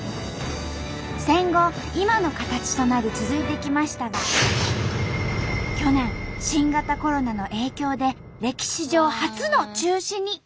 戦後今の形となり続いてきましたが去年新型コロナの影響で歴史上初の中止に。